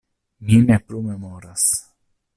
Mi ne plu memoras.